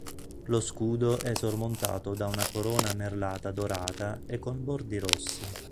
Lo scudo è sormontato da una corona merlata dorata e con bordi rossi.